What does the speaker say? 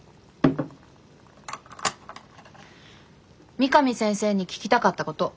三上先生に聞きたかったこと。